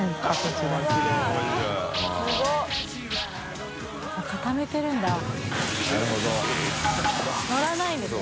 鷲見）乗らないんですね。